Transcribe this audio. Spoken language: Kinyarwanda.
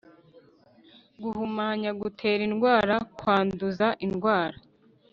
guhumanya: gutera indwara, kwanduza indwara